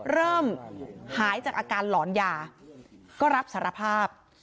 เริ่มหายจากอาการหลอนยาก็รับสารภาพ